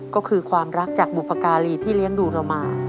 ก็คือความรักจากบุพการีที่เลี้ยงดูเรามา